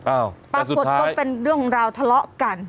โอ้แต่สุดท้ายปรากฏก็เป็นเรื่องราวทะเลาะกัน